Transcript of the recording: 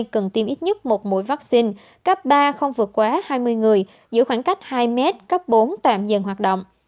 cần tiêm ít nhất một mũi vaccine cấp ba không vượt quá hai mươi người giữ khoảng cách hai m cấp bốn tạm dừng hoạt động